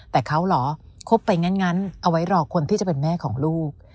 แต่เขาเหรอคบไปงั้นเอาไว้รอคนที่จะเป็นแม่ของลูก